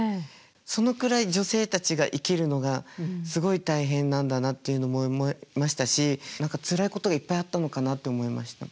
そのくらい女性たちが生きるのがすごい大変なんだなって思いましたし何かつらいことがいっぱいあったのかなって思いました。